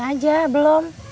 pulangnya aja belum